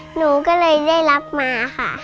หนูก็เลยได้รับมาค่ะ